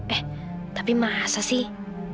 eh tapi masa sih